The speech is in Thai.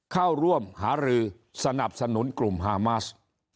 เข้าร่วมหารือสนับสนุนกลุ่มฮามาส